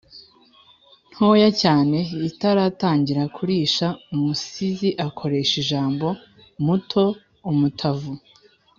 ntoya cyane itaratangira kurisha umusizi akoresha ijambo “muto”; “umutavu”